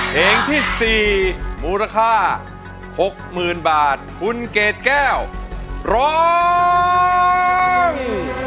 เพลงที่๔มูลค่า๖๐๐๐บาทคุณเกดแก้วร้อง